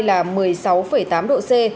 là một mươi sáu tám độ c